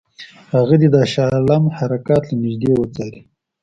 هغه دې د شاه عالم حرکات له نیژدې وڅاري.